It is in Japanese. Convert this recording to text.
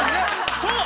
そう！